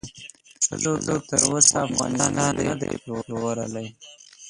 ښځو تر اوسه افغانستان ندې پلورلی